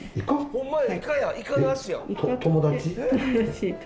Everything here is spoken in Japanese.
ほんまや！